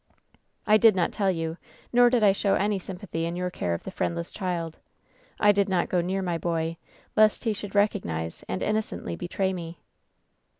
"I did not tell you, nor did I show any sympathy in your care of the friendless child. I did not go near my boy, lest he should recognize and innocently betray me.